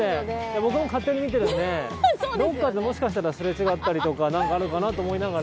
僕も勝手に見てるんでどっかで、もしかしたらすれ違ったりとか何かあるのかなって思いながら。